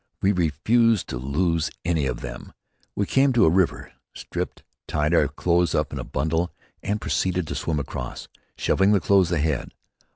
We refused to lose any of them. We came to a river, stripped, tied our clothes up in a bundle and proceeded to swim across, shoving the clothes ahead.